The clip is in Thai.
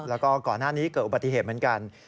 แล้วก็ก่อนหน้านี้เกิดอุบัติเหตุเหมือนกัน